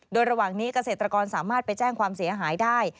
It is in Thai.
โดยระหว่างนี้เกษตรกรสามารถไปแจ้งความเสียหายได้